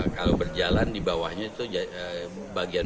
kalau berjalan di bawahnya itu bagian